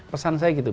pesan saya gitu